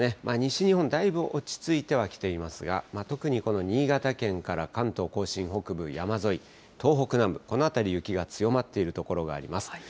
西日本、だいぶ落ち着いてはきていますが、特にこの新潟県から関東甲信北部山沿い、東北南部、この辺り、雪が強まっている所があります。